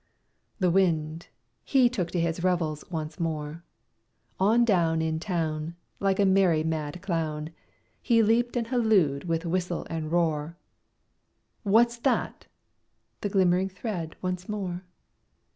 The Wind, he took to his revels once more; On down In town, Like a merry mad clown, He leaped and hallooed with whistle and roar, "What's that?" The glimmering thread once more!